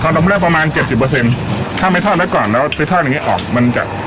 ทอดต้องเลือกประมาณเจ็บสิบเปอร์เซ็นต์ถ้าไม่ทอดแล้วก่อนแล้วที่ทอดอย่างงี้ออกมันจะไม่กรอบ